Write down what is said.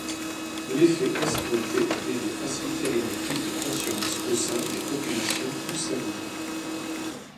L'effet escompté est de faciliter une prise de conscience au sein des populations concernées.